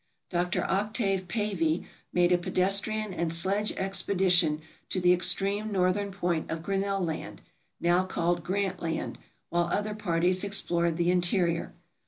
Dr. Octave Pavy made a pedestrian and sledge expedition to the extreme northern point of Grinnell Land, now called Grant Land, while other parties explored the interior.